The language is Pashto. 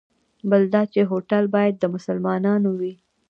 بل دا چې هوټل باید د مسلمانانو وي.